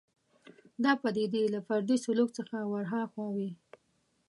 دا پدیدې له فردي سلوک څخه ورهاخوا وي